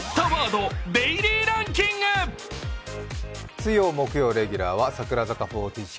水曜・木曜レギュラーは櫻坂４６